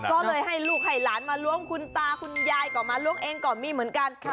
ก็เลยให้ลูกให้หลานมาล้วงคุณตาคุณยายก็มาล้วงเองก็มีเหมือนกัน